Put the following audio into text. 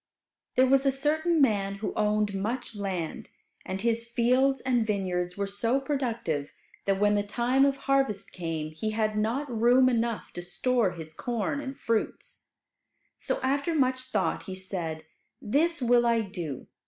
There was a certain rich man who owned much land. And his fields and vineyards were so productive that when the time of harvest came, he had not room enough to store his corn and fruits. So after much thought he said, "This will I do.